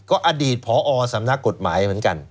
ก็อดีตพอสำนักกฎหมายเหมือนกัน